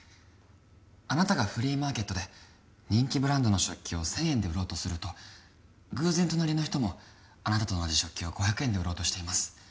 あなたがフリーマーケットで人気ブランドの食器を１０００円で売ろうとすると偶然隣の人もあなたと同じ食器を５００円で売ろうとしています